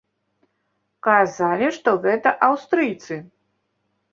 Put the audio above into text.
Казалі, што гэта аўстрыйцы.